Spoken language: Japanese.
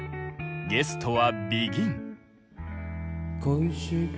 ゲストはＢＥＧＩＮ。